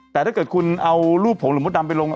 แต่ถ้าเกิดคุณเอารูปผมหรือมดดำไปลง